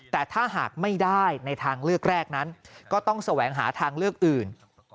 แต่ถ้าหากไม่ได้ในทางเลือกแรกนั้นก็ต้องแสวงหาทางเลือกอื่น